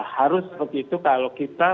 harus begitu kalau kita